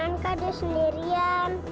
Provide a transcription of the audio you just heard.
makankah dia sendirian